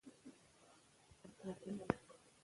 د ناول کیسه داسې پيلېږي.